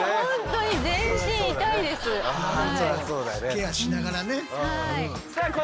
ケアしながらね。